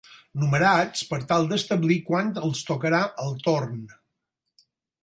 Numerats per tal d'establir quan els tocarà el torn.